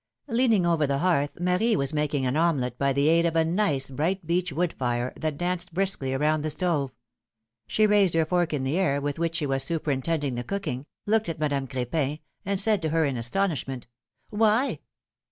Leaning over the hearth, Marie was making an omelette by the aid of a nice, bright beech wood fire, that danced briskly around the stove ; she raised her fork in the air with which she was superintending the cooking, looked at Madame Cr6pin, and said to her in astonishment : ^^Why?"